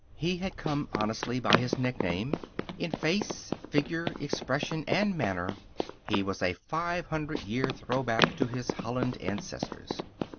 He had come honestly by his nickname. In face, figure, expression, and manner he was a five hundred year throwback to his Holland ancestors.